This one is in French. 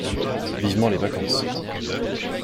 Vivement les vacances!